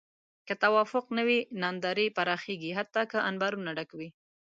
که توافق نه وي، ناندرۍ پراخېږي حتی که انبارونه ډک وي.